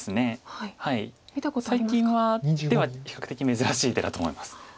最近では比較的珍しい手だと思います。